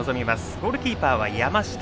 ゴールキーパーは山下。